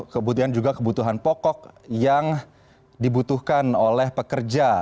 kemudian juga kebutuhan pokok yang dibutuhkan oleh pekerja